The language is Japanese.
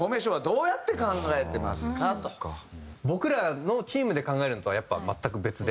僕らのチームで考えるのとはやっぱ全く別で。